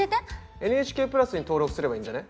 ＮＨＫプラスに登録すればいいんじゃね？